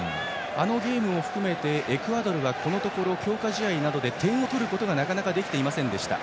あのゲームを含めてエクアドルがこのところ強化試合などで点を取ることがなかなかできていませんでした。